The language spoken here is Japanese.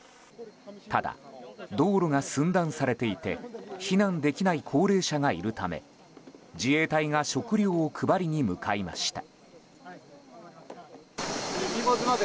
ただ、道路が寸断されていて避難できない高齢者がいるため自衛隊が食料を配りに向かいました。